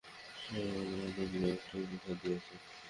Simon আমাকে বিয়েতে এটা উপহার দিয়েছে!